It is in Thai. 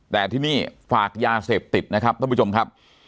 แต่ที่นี่ฝากยาเสพติดนะครับท่านผู้ชมครับ